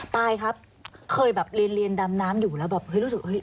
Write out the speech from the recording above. อ๋อปายครับเคยแบบเรียนเรียนดำน้ำอยู่แล้วบอกเฮ้ยรู้สึกเฮ้ย